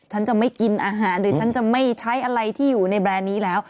ฉันจะไม่กินอาหารหรือฉันจะไม่ใช้อะไรที่อยู่ในแบรนด์นี้แล้ว